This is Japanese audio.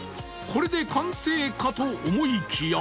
これで完成かと思いきや